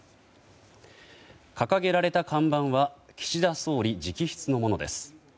掲げられた看板は岸田総理直筆のものです。